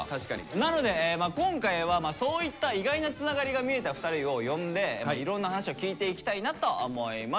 なのでね今回はそういった意外なつながりが見えた２人を呼んでいろんな話を聞いていきたいなと思います。